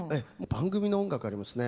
番組の音楽ありますね